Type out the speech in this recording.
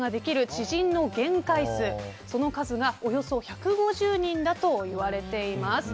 知人の限界数、その数がおよそ１５０人だといわれています。